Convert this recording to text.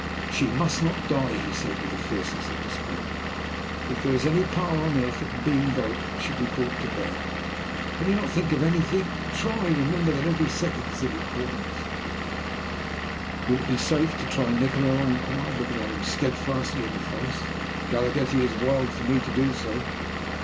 "She must not die," he said, with the fierceness of despair. "If there is any power on earth that can be invoked, it shall be brought to bear. Can you not think of anything? Try! Remember that every second is of importance." "Would it be safe to try Nikola?" I inquired, looking him steadfastly in the face. "Galaghetti is wild for me to do so."